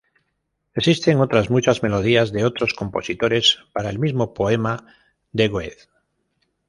Existen otras muchas melodías de otros compositores para el mismo poema de Goethe.